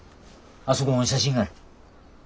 あそこん写真がある。